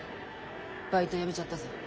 バイトやめちゃったぞ。